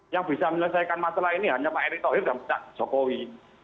yang bisa menyelesaikan masalah ini hanya pak erick thohir dan pak jokowi